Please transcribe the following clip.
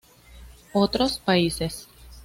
Otros Países